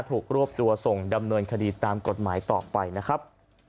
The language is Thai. รวบตัวส่งดำเนินคดีตามกฎหมายต่อไปนะครับ